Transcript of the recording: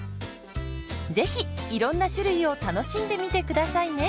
是非いろんな種類を楽しんでみて下さいね。